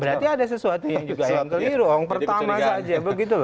berarti ada sesuatu yang keliru